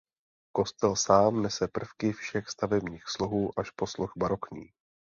Kostel sám nese prvky všech stavebních slohů až po sloh barokní.